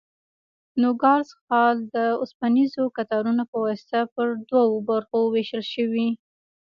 نوګالس ښار د اوسپنیزو کټارو په واسطه پر دوو برخو وېشل شوی.